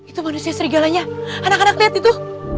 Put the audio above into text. itu manusia serigalanya anak anak lihat itu